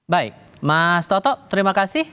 baik mas toto terima kasih